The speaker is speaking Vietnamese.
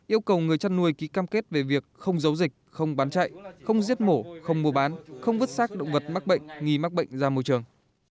yêu cầu người chăn nuôi ký cam kết về việc không giấu dịch không bán chạy không giết mổ không mua bán không vứt sát động vật mắc bệnh nghi mắc bệnh ra môi trường